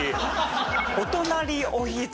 お隣おひつ